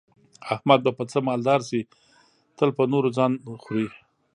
احمد به په څه مالدار شي، تل په نورو ځان خوري.